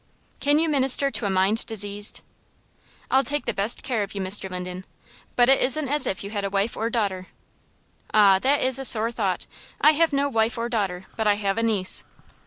"Can you minister to a mind diseased?" "I'll take the best care of you, Mr. Linden, but it isn't as if you had a wife or daughter." "Ah, that is a sore thought! I have no wife or daughter; but I have a niece."